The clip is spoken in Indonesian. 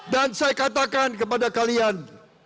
dan saya katakan kepada kalian